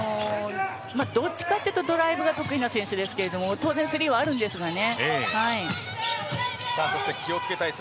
どっちかというとドライブが得意な選手ですけど当然スリーはあるんですがね。